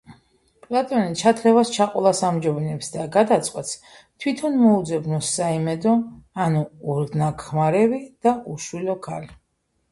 პლათონი ჩათრევას ჩაყოლას ამჯობინებს და გადაწყვეტს , თვითონ მოუძებნოს"საიმედო" ანუ ორნაქმარევი და უშვილო ქალი.